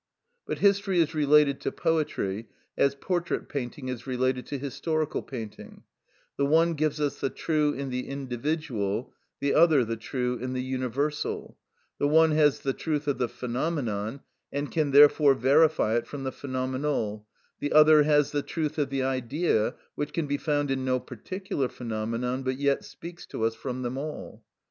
But history is related to poetry as portrait painting is related to historical painting; the one gives us the true in the individual, the other the true in the universal; the one has the truth of the phenomenon, and can therefore verify it from the phenomenal, the other has the truth of the Idea, which can be found in no particular phenomenon, but yet speaks to us from them all.